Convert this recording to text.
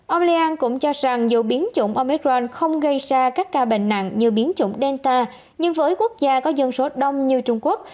ông lian cũng cho rằng dù biến chủng omicron không gây ra các ca bệnh nặng như biến chủng delta nhưng với quốc gia có dân số đông như trung quốc